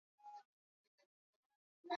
Mto wa Amazon Sababu ni mto mkubwa